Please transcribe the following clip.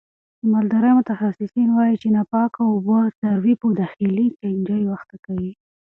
د مالدارۍ متخصصین وایي چې ناپاکه اوبه څاروي په داخلي چنجیو اخته کوي.